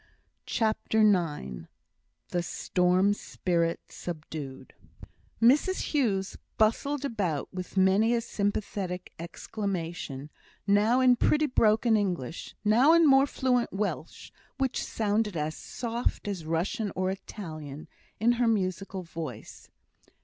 CHAPTER IX The Storm Spirit Subdued Mrs Hughes bustled about with many a sympathetic exclamation, now in pretty broken English, now in more fluent Welsh, which sounded as soft as Russian or Italian, in her musical voice.